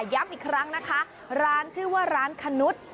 ย้ำอีกครั้งนะคะร้านชื่อว่าร้านคนุษย์